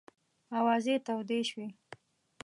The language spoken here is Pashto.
آوازې تودې شوې.